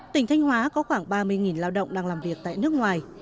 tỉnh thanh hóa có khoảng ba mươi lao động đang làm việc tại nước ngoài